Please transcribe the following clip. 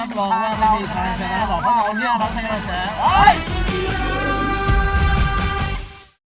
โจโจและปีเตอร์ใหม่ออกชี